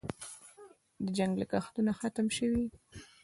د جنګ لګښتونه ختم شوي؟